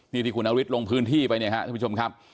นี่ครูนาวิซลงพื้นที่ไปนะฮะทุกผู้ชมครับ